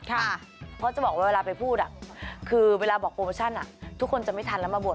เพราะจะบอกว่าเวลาไปพูดคือเวลาบอกโปรโมชั่นทุกคนจะไม่ทันแล้วมาบวช